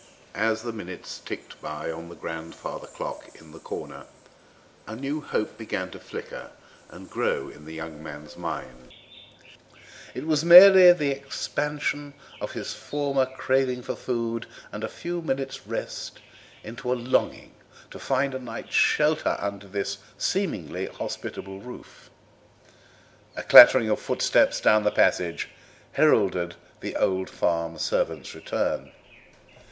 As the minutes ticked by on the grandfather clock in the corner a new hope began to flicker and grow in the young man's mind; it was merely the expansion of his former craving for food and a few minutes' rest into a longing to find a night's shelter under this seemingly hospitable roof. A clattering of footsteps down the passage heralded the old farm servant's return.